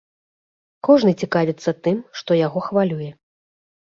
Кожны цікавіцца тым, што яго хвалюе.